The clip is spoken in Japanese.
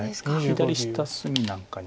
左下隅なんかに結構。